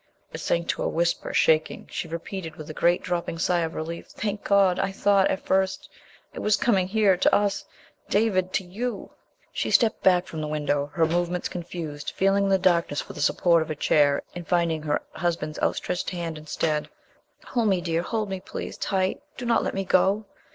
It sank to a whisper, shaking. She repeated, with a great dropping sigh of relief "Thank God! I thought ... at first ... it was coming here ... to us!... David ... to you !" She stepped back from the window, her movements confused, feeling in the darkness for the support of a chair, and finding her husband's outstretched hand instead. "Hold me, dear, hold me, please ... tight. Do not let me go."